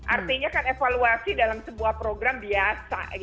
artinya kan evaluasi dalam sebuah program biasa